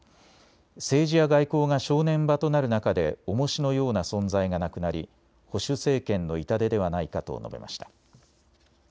政治や外交が正念場となる中でおもしのような存在がなくなり保守政権の痛手ではないかと述べました。